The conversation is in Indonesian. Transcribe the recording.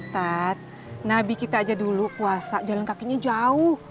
tat nabi kita aja dulu puasa jalan kakinya jauh